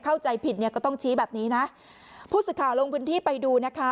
เข้าใจผิดเนี่ยก็ต้องชี้แบบนี้นะผู้สื่อข่าวลงพื้นที่ไปดูนะคะ